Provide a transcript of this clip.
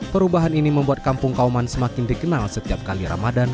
perubahan ini membuat kampung kauman semakin dikenal setiap kali ramadan